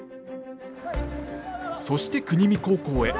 そして国見高校へ。